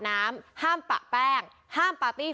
เพราะว่าตอนนี้จริงสมุทรสาของเนี่ยลดระดับลงมาแล้วกลายเป็นพื้นที่สีส้ม